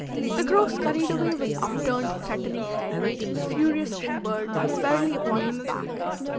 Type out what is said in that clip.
The crow scurried away with upturned, threatening head, the furious kingbirds fairly upon his back.